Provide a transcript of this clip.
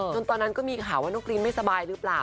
ตอนนั้นก็มีข่าวว่าน้องกรีนไม่สบายหรือเปล่า